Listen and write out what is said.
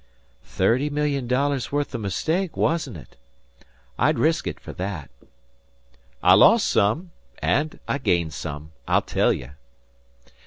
"Thirty million dollars' worth o' mistake, wasn't it? I'd risk it for that." "I lost some; and I gained some. I'll tell you."